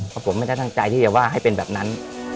เพราะผมไม่ได้ตั้งใจที่จะว่าให้เป็นแบบนั้น